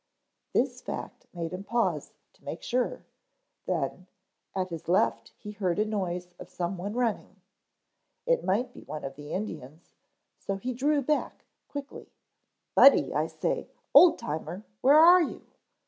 This fact made him pause to make sure, then, at his left he heard a noise of someone running. It might be one of the Indians so he drew back quickly. "Buddy, I say, Old Timer, where are you?"